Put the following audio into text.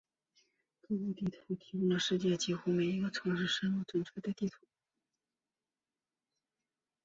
谷歌地图提供了世界上几乎每一个城市深入准确的地图。